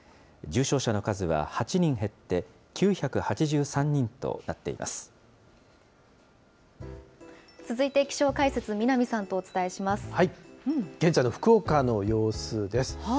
重症者の数は８人減って、９８３続いて気象解説、南さんとお現在の福岡の様子です。